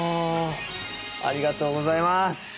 ありがとうございます。